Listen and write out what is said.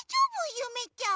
ゆめちゃん。